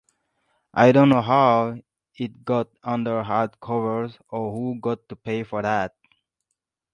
I don't know "how" it got under hardcovers, or who got paid for that.